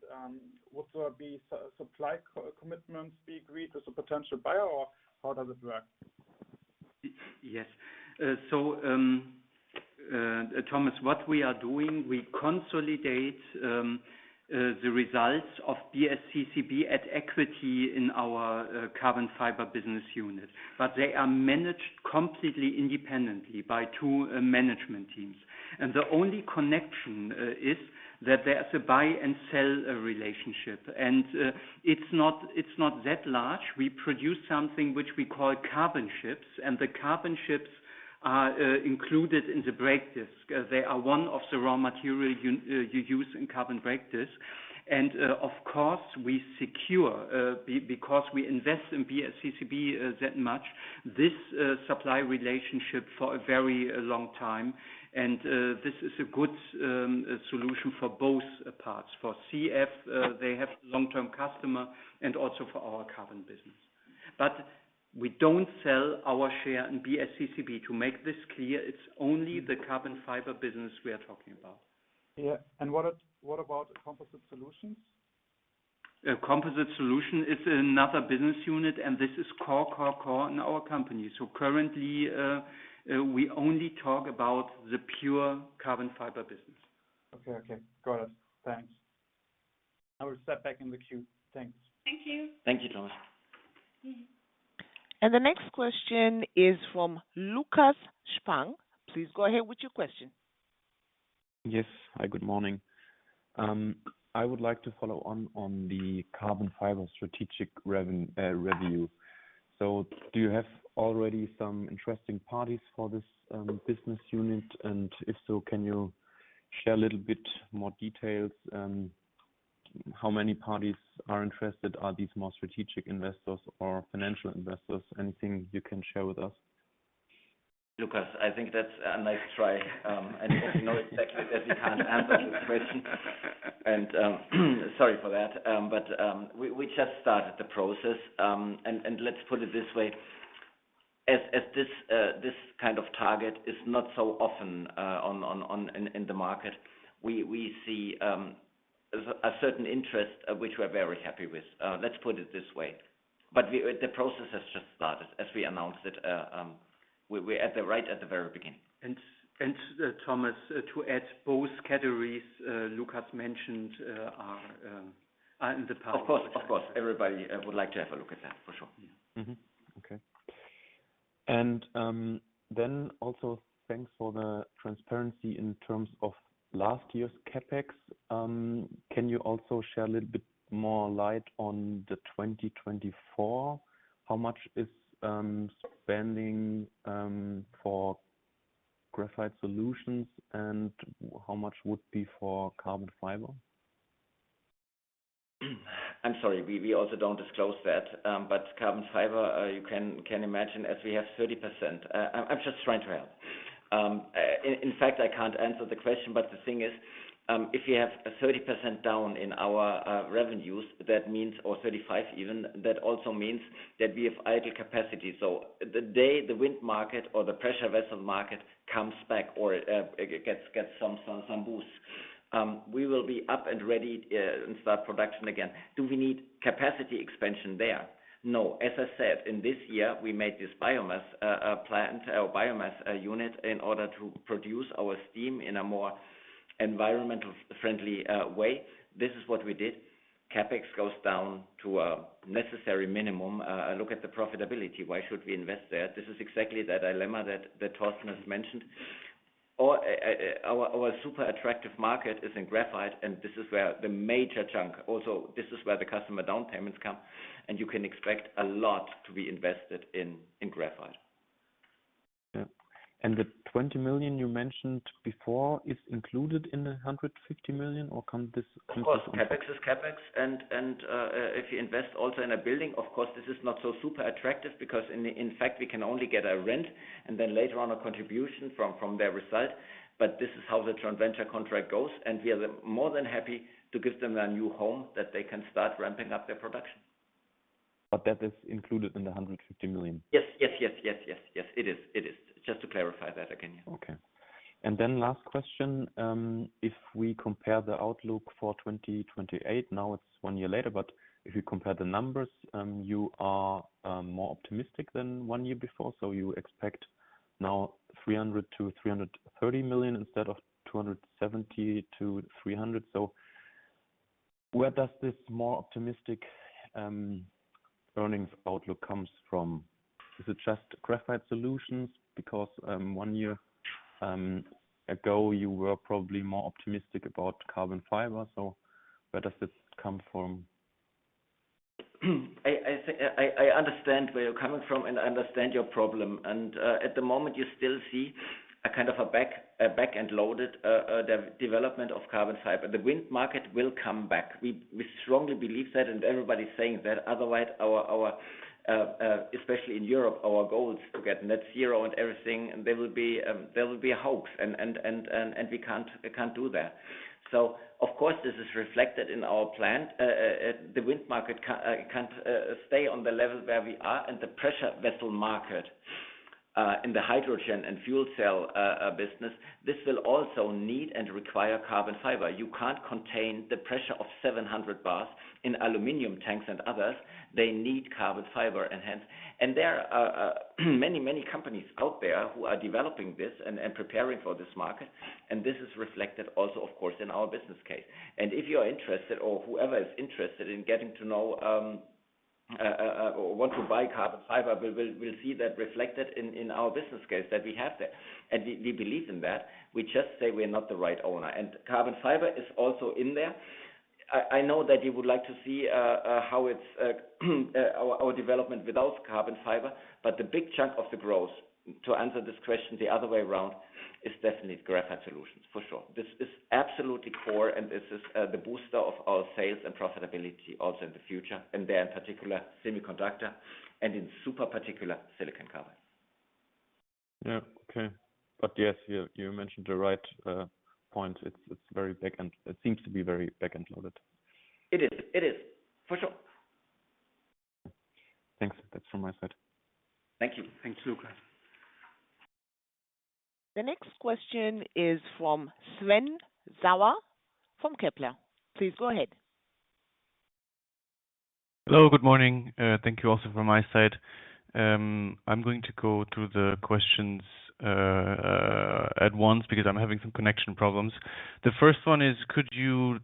Would there be supply commitments agreed with a potential buyer or how does it work?
Yes, so Thomas, what we are doing, we consolidate the results of BSCCB at equity in our carbon fiber business unit, but they are managed completely independently by two management teams, and the only connection is that there's a buy and sell relationship, and it's not, it's not that large. We produce something which we call carbon chips, and the carbon chips are included in the brake disc. They are one of the raw material you, you use in carbon brake disc, and of course we secure, because we invest in BSCCB that much, this supply relationship for a very long time, and this is a good solution for both parts, for CF they have a long-term customer, and also for our carbon business, but we don't sell our share in BSCCB. To make this clear, it's only the carbon fiber business we are talking about.
Yeah, and what about Composite Solutions?
Composite Solutions is another business unit and this is core core core in our company so currently we only talk about the pure carbon fiber business.
Okay okay got it thanks. I will step back in the queue thanks.
Thank you.
Thank you Thomas.
The next question is from Lukas Spang. Please go ahead with your question.
Yes, hi, good morning. I would like to follow on the carbon fiber strategic revenue, so do you have already some interesting parties for this business unit? And if so, can you share a little bit more details? How many parties are interested? Are these more strategic investors or financial investors? Anything you can share with us?
Lukas, I think that's a nice try and I know exactly that we can't answer this question and sorry for that but we just started the process and let's put it this way as this kind of target is not so often on in the market we see a certain interest which we are very happy with let's put it this way but the process has just started as we announced it we're right at the very beginning.
And, Thomas, to add, both categories' Lukas mentioned are in the past.
Of course, of course, everybody would like to have a look at that for sure, yeah.
Mm-hmm, okay, and then also thanks for the transparency in terms of last year's CapEx. Can you also share a little bit more light on the 2024, how much is spending for Graphite Solutions and how much would be for carbon fiber?
I'm sorry, we also don't disclose that, but carbon fiber you can imagine as we have 30%. I'm just trying to help. In fact, I can't answer the question, but the thing is if we have 30% down in our revenues that means or 35 even that also means that we have idle capacity, so the day the wind market or the pressure vessel market comes back or gets some boost, we will be up and ready and start production again. Do we need capacity expansion there? No, as I said, in this year we made this biomass plant or biomass unit in order to produce our steam in a more environmentally friendly way. This is what we did. CapEx goes down to a necessary minimum. Look at the profitability. Why should we invest there? This is exactly that dilemma that Torsten has mentioned or our super attractive market is in graphite and this is where the major chunk also this is where the customer down payments come and you can expect a lot to be invested in graphite.
Yeah, and the 20 million you mentioned before is included in the 150 million, or does this come on top?
Of course CapEx is CapEx and if you invest also in a building, of course this is not so super attractive because in fact we can only get a rent and then later on a contribution from their result, but this is how the joint venture contract goes and we are more than happy to give them a new home that they can start ramping up their production.
But that is included in the 150 million.
Yes, yes, yes, yes, yes, yes. It is, it is, just to clarify that again. Yeah.
Okay, and then last question: if we compare the outlook for 2028, now it's one year later, but if you compare the numbers, you are more optimistic than one year before, so you expect now 300 to 330 million instead of 270 to 300 million, so where does this more optimistic earnings outlook come from? Is it just graphite solutions because one year ago you were probably more optimistic about carbon fiber, so where does this come from?
I think I understand where you're coming from and I understand your problem, and at the moment you still see a kind of a back end loaded development of carbon fiber. The wind market will come back. We strongly believe that, and everybody's saying that. Otherwise, our... especially in Europe, our goals to get net zero and everything, and they will be a hoax, and we can't do that. So of course this is reflected in our plan. The wind market can't stay on the level where we are, and the pressure vessel market in the hydrogen and fuel cell business—this will also need and require carbon fiber. You can't contain the pressure of 700 bars in aluminum tanks and others. They need carbon fiber enhanced, and there are many companies out there who are developing this and preparing for this market, and this is reflected also of course in our business case. And if you are interested or whoever is interested in getting to know or want to buy carbon fiber, we'll see that reflected in our business case that we have there, and we believe in that. We just say we're not the right owner, and carbon fiber is also in there. I know that you would like to see how it's our development without carbon fiber, but the big chunk of the growth—to answer this question the other way around—is definitely Graphite Solutions for sure. This is absolutely core, and this is the booster of our sales and profitability also in the future, and there in particular semiconductors and in super particular silicon carbide.
Yeah, okay, but yes, you mentioned the right point. It's very back-end loaded, it seems.
It is for sure.
Thanks, that's from my side.
Thank you, thanks, Lukas.
The next question is from Sven Sauer from Kepler. Please go ahead.
Hello, good morning. Thank you also from my side. I'm going to go through the questions at once because I'm having some connection problems. The first one is, could you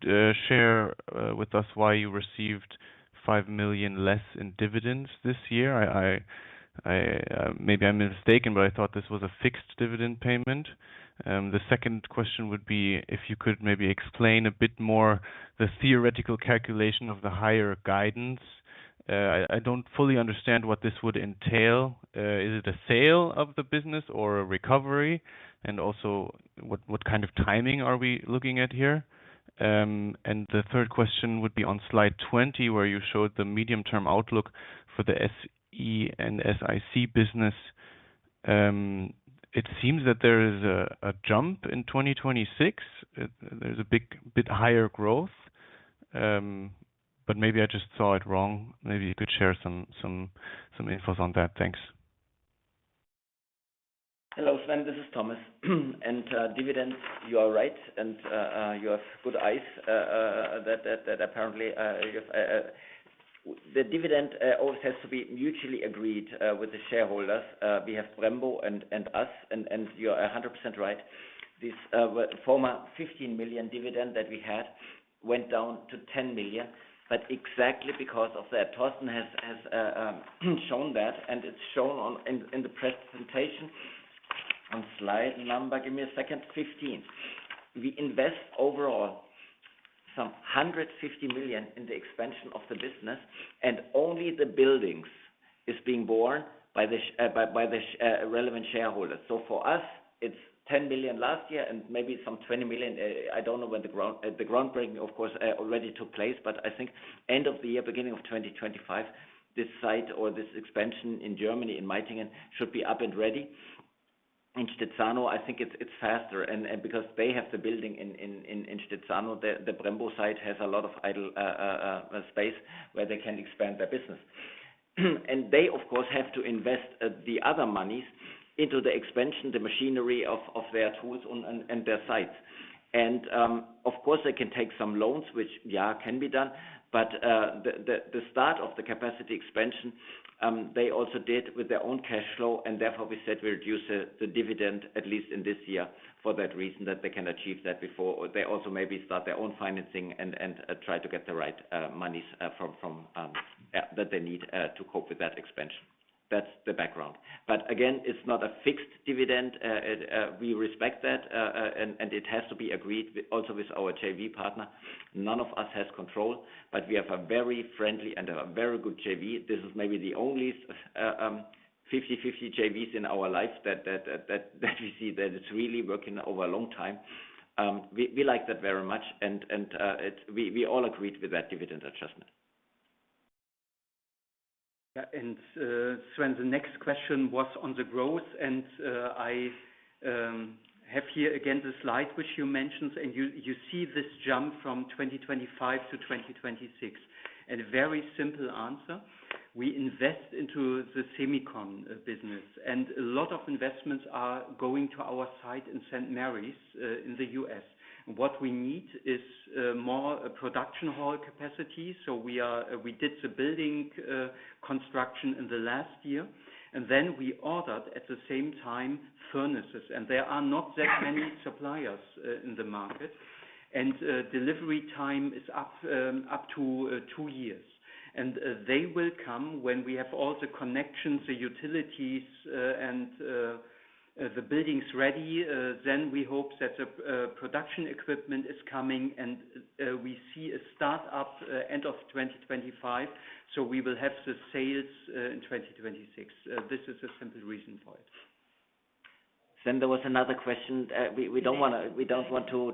share with us why you received 5 million less in dividends this year? I maybe I'm mistaken, but I thought this was a fixed dividend payment. The second question would be if you could maybe explain a bit more the theoretical calculation of the higher guidance. I don't fully understand what this would entail. Is it a sale of the business or a recovery? And also what kind of timing are we looking at here? And the third question would be on slide 20 where you showed the medium-term outlook for the SE and SiC business. It seems that there is a jump in 2026. There's a big bit higher growth, but maybe I just saw it wrong. Maybe you could share some infos on that. Thanks.
Hello Sven, this is Thomas, and dividends, you are right and you have good eyes that apparently you have the dividend always has to be mutually agreed with the shareholders. We have Brembo and us and you are 100% right. This former 15 million dividend that we had went down to 10 million, but exactly because of that Torsten has shown that and it's shown on in the presentation on slide number, give me a second, 15. We invest overall some 150 million in the expansion of the business and only the buildings is being borne by the by the relevant shareholders, so for us it's 10 million last year and maybe some 20 million. I don't know when the groundbreaking of course already took place, but I think end of the year, beginning of 2025, this site or this expansion in Germany in Meitingen should be up and ready. In Stezzano I think it's faster and because they have the building in in in in Stezzano, the Brembo site has a lot of idle space where they can expand their business and they of course have to invest the other monies into the expansion, the machinery of their tools and their sites, and of course they can take some loans which yeah can be done, but the start of the capacity expansion they also did with their own cash flow. And therefore, we said we reduce the dividend at least in this year for that reason that they can achieve that before or they also maybe start their own financing and try to get the right monies from yeah that they need to cope with that expansion. That's the background, but again it's not a fixed dividend, we respect that and it has to be agreed also with our JV partner. None of us has control, but we have a very friendly and a very good JV. This is maybe the only 50/50 JVs in our life that we see that it's really working over a long time, we like that very much and it's we all agreed with that dividend adjustment.
Yeah, Sven, the next question was on the growth, and I have here again the slide which you mentioned, and you you see this jump from 2025 to 2026, and a very simple answer: we invest into the semicon business, and a lot of investments are going to our site in St. Marys in the US. What we need is more production hall capacity, so we did the building construction in the last year, and then we ordered at the same time furnaces, and there are not that many suppliers in the market, and delivery time is up to two years. And they will come when we have all the connections, the utilities, and the buildings ready. Then we hope that the production equipment is coming, and we see a startup end of 2025, so we will have the sales in 2026. This is a simple reason for it.
Sven, there was another question. We don't want to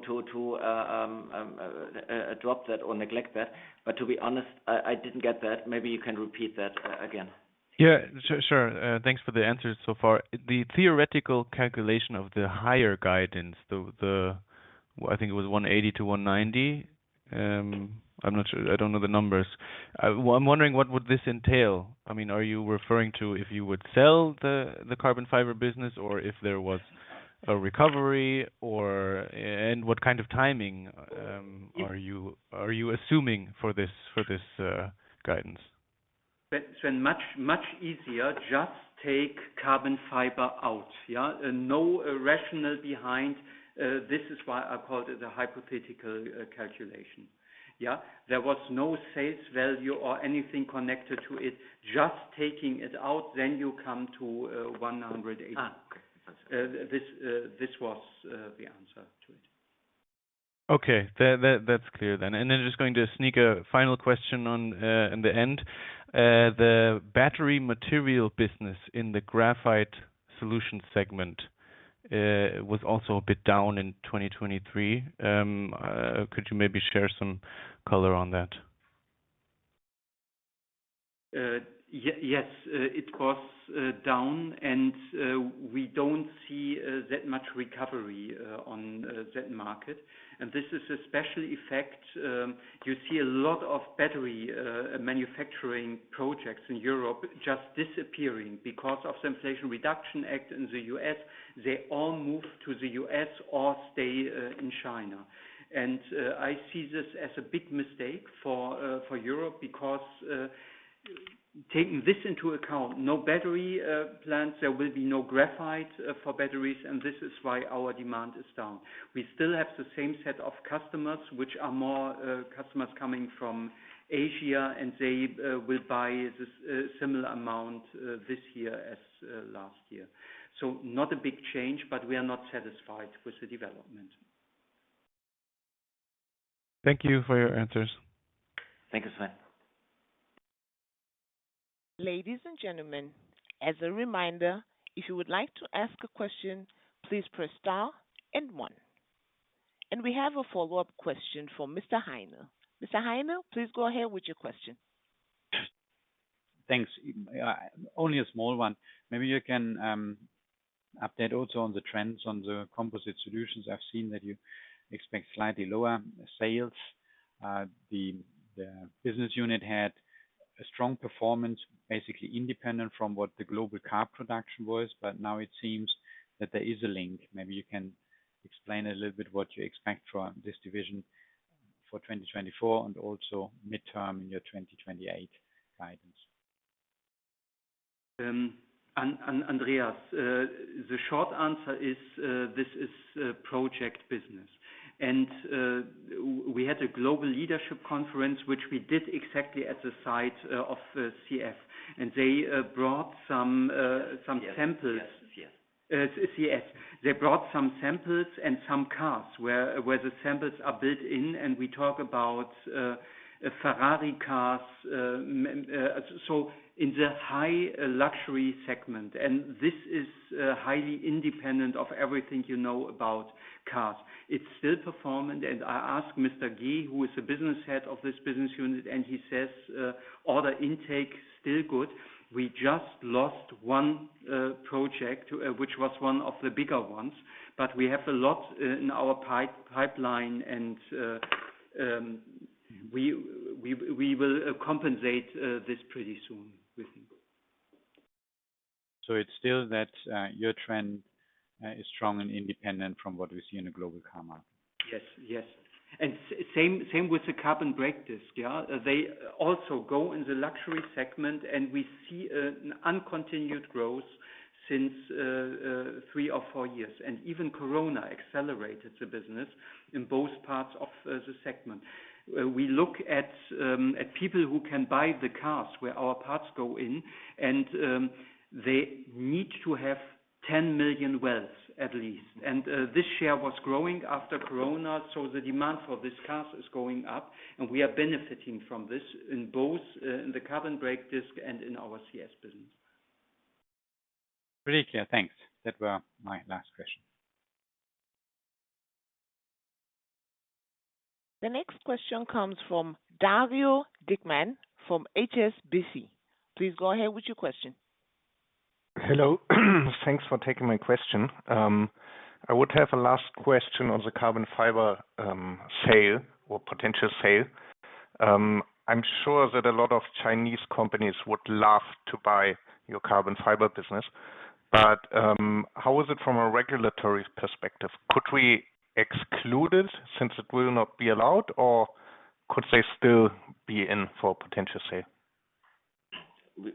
drop that or neglect that, but to be honest, I didn't get that. Maybe you can repeat that again.
Yeah, sure, sure. Thanks for the answers so far. The theoretical calculation of the higher guidance, the—I think it was 180-190. I'm not sure, I don't know the numbers. I'm wondering what would this entail. I mean, are you referring to if you would sell the carbon fiber business or if there was a recovery, or and what kind of timing are you assuming for this guidance.
Sven, much, much easier, just take carbon fiber out. Yeah, no rationale behind this. This is why I called it a hypothetical calculation. Yeah, there was no sales value, or anything connected to it. Just taking it out, then you come to 180. This was the answer to it.
Okay, that's clear. Then, just going to sneak a final question on in the end the battery material business in the Graphite Solutions segment was also a bit down in 2023. Could you maybe share some color on that?
Yeah, yes, it was down, and we don't see that much recovery on that market, and this is especially affecting. You see a lot of battery manufacturing projects in Europe just disappearing because of the Inflation Reduction Act in the US They all move to the US or stay in China, and I see this as a big mistake for Europe because, taking this into account, no battery plants there will be no graphite for batteries, and this is why our demand is down. We still have the same set of customers, which are more customers coming from Asia, and they will buy this similar amount this year as last year, so not a big change, but we are not satisfied with the development.
Thank you for your answers.
Thank you, Sven.
Ladies and gentlemen, as a reminder, if you would like to ask a question, please press star and one. We have a follow-up question for Mr. Heine. Mr. Heine, please go ahead with your question.
Thanks, only a small one. Maybe you can update also on the trends on the Composite Solutions. I've seen that you expect slightly lower sales. The business unit had a strong performance basically independent from what the global car production was, but now it seems that there is a link. Maybe you can explain a little bit what you expect from this division for 2024 and also mid-term in your 2028 guidance.
Andreas, the short answer is this is project business and we had a global leadership conference which we did exactly at the site of CF and they brought some samples CF they brought some samples and some cars where the samples are built in and we talk about Ferrari cars so in the high luxury segment. And this is highly independent of everything you know about cars it's still performing and I asked Mr. Ge who is the business head of this business unit and he says order intake still good we just lost one project which was one of the bigger ones but we have a lot in our pipeline and we will compensate this pretty soon we think.
It's still that your trend is strong and independent from what we see in the global car market.
Yes, yes, and same, same with the carbon brake disc. Yeah, they also go in the luxury segment, and we see an uninterrupted growth since three or four years, and even Corona accelerated the business in both parts of the segment we look at. At people who can buy the cars where our parts go in and they need to have 10 million wealth at least, and this share was growing after Corona, so the demand for these cars is going up, and we are benefiting from this in both in the carbon brake disc and in our CS business.
Pretty clear, thanks. That were my last questions.
The next question comes from Dario Dickmann from HSBC. Please go ahead with your question.
Hello, thanks for taking my question. I would have a last question on the carbon fiber sale or potential sale. I'm sure that a lot of Chinese companies would laugh to buy your carbon fiber business, but how is it from a regulatory perspective? Could we exclude it since it will not be allowed, or could they still be in for a potential sale?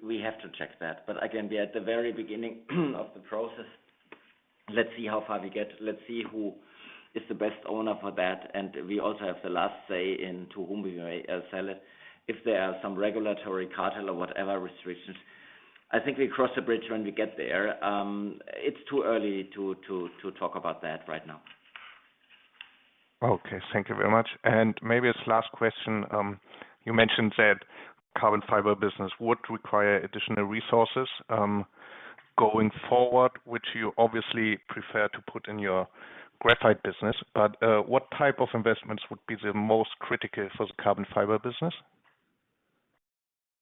We have to check that, but again we are at the very beginning of the process. Let's see how far we get. Let's see who is the best owner for that, and we also have the last say into whom we may sell it if there are some regulatory cartel or whatever restrictions. I think we cross the bridge when we get there. It's too early to talk about that right now.
Okay, thank you very much, and maybe as last question, you mentioned that carbon fiber business would require additional resources going forward, which you obviously prefer to put in your graphite business, but what type of investments would be the most critical for the carbon fiber business.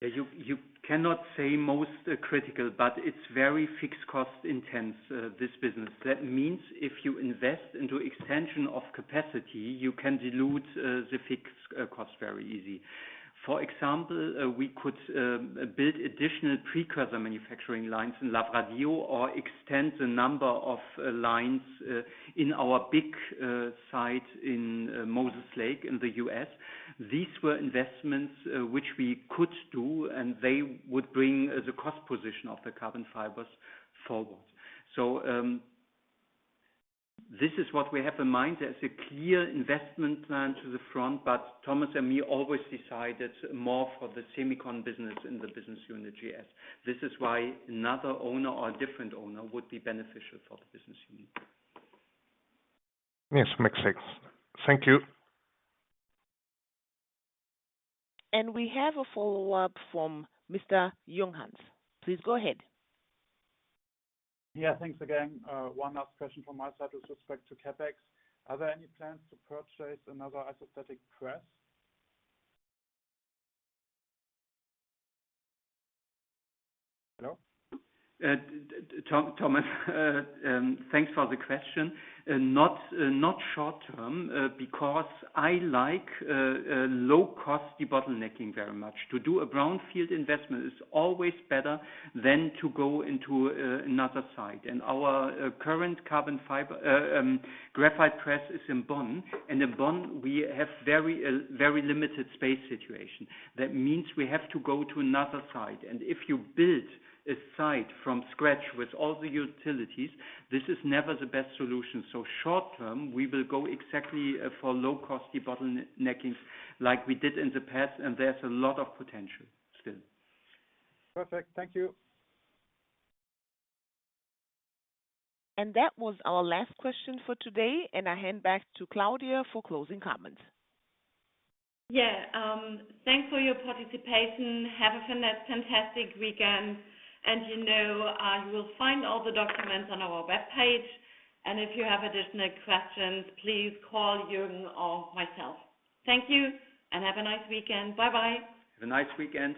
Yeah, you cannot say most critical, but it's very fixed cost intense this business. That means if you invest into extension of capacity, you can dilute the fixed cost very easy. For example, we could build additional precursor manufacturing lines in Lavradio or extend the number of lines in our big site in Moses Lake in the US. These were investments which we could do and they would bring the cost position of the carbon fibers forward. So this is what we have in mind as a clear investment plan to the front, but Thomas and me always decided more for the semicon business in the business unit GS. This is why another owner or a different owner would be beneficial for the business unit.
Yes, makes sense. Thank you.
We have a follow-up from Mr. Junghans, please go ahead.
Yeah, thanks again. One last question from my side with respect to CapEx: are there any plans to purchase another isostatic press? Hello?
Thomas, thanks for the question. Not short term, because I like low-cost debottlenecking very much. To do a brownfield investment is always better than to go into another site, and our current carbon fiber graphite press is in Bonn, and in Bonn we have very very limited space situation. That means we have to go to another site, and if you build a site from scratch with all the utilities, this is never the best solution. So short term we will go exactly for low cost debottleneckings like we did in the past, and there's a lot of potential still.
Perfect thank you.
That was our last question for today, and I hand back to Claudia for closing comments.
Yeah, thanks for your participation. Have a fantastic weekend, and you know, you will find all the documents on our webpage. And if you have additional questions, please call Jürgen or myself. Thank you and have a nice weekend. Bye-bye.
Have a nice weekend.